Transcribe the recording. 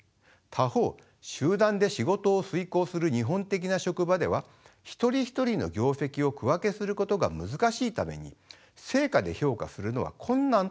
他方集団で仕事を遂行する日本的な職場では一人一人の業績を区分けすることが難しいために成果で評価するのは困難となります。